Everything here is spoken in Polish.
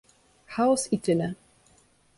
"Chaos i tyle“..."